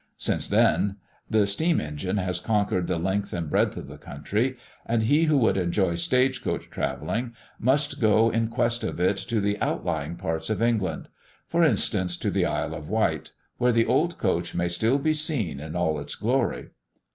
Since then, the steam engine has conquered the length and breadth of the country, and he who would enjoy stage coach travelling, must go in quest of it to the outlying parts of England; for instance, to the Isle of Wight, where the old coach may still be seen in all its glory.